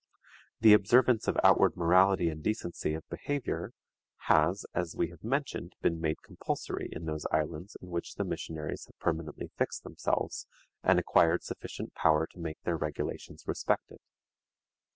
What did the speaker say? The observance of outward morality and decency of behavior has, as we have mentioned, been made compulsory in those islands in which the missionaries have permanently fixed themselves, and acquired sufficient power to make their regulations respected.